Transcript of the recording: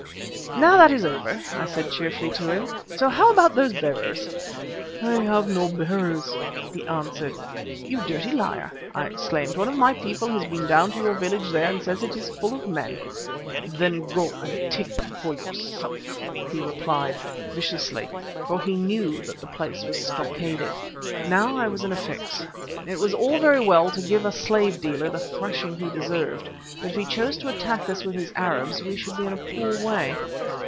"Now that is over," I said cheerfully to him, "so how about those bearers?" "I have no bearers," he answered. "You dirty liar," I exclaimed; "one of my people has been down to your village there and says it is full of men." "Then go and take them for yourself," he replied, viciously, for he knew that the place was stockaded. Now I was in a fix. It was all very well to give a slave dealer the thrashing he deserved, but if he chose to attack us with his Arabs we should be in a poor way.